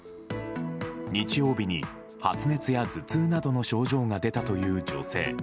日曜日に発熱や頭痛などの症状が出たという女性。